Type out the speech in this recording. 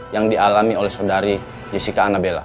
yang dialami oleh saudari jessica annabela